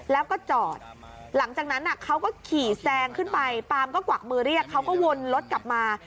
แล้วก็จอดหลังจากนั้นเขาก็ขี่แซงขึ้นไปปามก็กวักมือเรียกเขาก็วนรถกลับมา